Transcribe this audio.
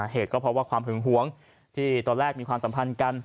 เหตุก็เพราะว่าความหึงหวงที่ตอนแรกมีความสัมพันธ์กัน